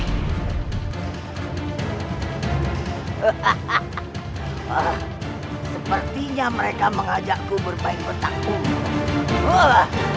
hahaha ah sepertinya mereka mengajakku berbaik bertanggung